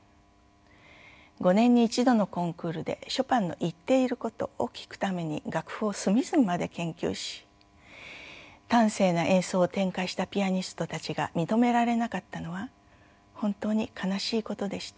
５年に一度のコンクールでショパンの言っていることを聞くために楽譜を隅々まで研究し端正な演奏を展開したピアニストたちが認められなかったのは本当に悲しいことでした。